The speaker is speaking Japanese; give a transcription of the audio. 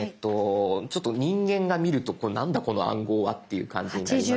ちょっと人間が見ると何だこの暗号はって感じですけど。